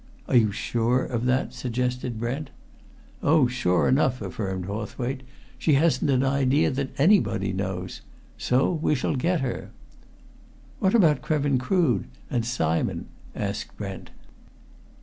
"Are you sure of that?" suggested Brent. "Oh, sure enough!" affirmed Hawthwaite. "She hasn't an idea that anybody knows. So we shall get her!" "What about Krevin Crood and Simon?" asked Brent.